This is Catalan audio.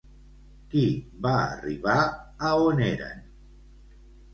Qui va arribar a on eren?